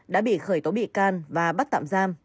đã bị khởi tố bị can và bắt tạm giam